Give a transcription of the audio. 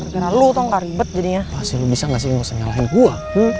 terlalu tongkar ribet jadinya pasti bisa ngasih ngasih gue